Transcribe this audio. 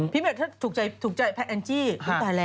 พี่เมลถ้าถูกใจถูกใจแพทย์แองจี้ค่ะ